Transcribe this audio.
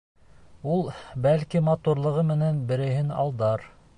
Ул, бәлки, матурлығы менән берәйһен алдар.